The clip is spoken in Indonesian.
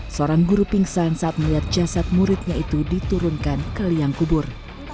seorang guru pingsan saat melihat jasad muridnya itu diturunkan ke liang kubur